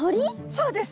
そうです。